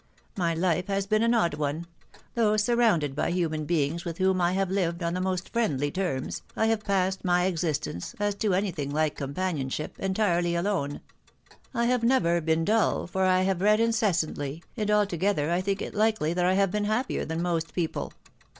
My life has been an odd one ;.... though surrounded by human beings with whom I have lived on the most friendly terms, I have passed my existence, as to any thing like companionship, en tirely alone. I have never been dull, for I have read inces santly, and altogether I think it likely that I have been happier than most people.